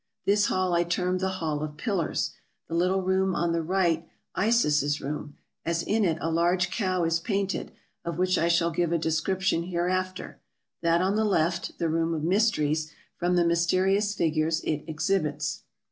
This hall I termed the Hall of Pillars; the little room on the right Isis's Room, as in it a large cow is painted, of which I shall give a description hereafter; that on the left, the Room of Mysteries, from the mysterious figures it exhibits.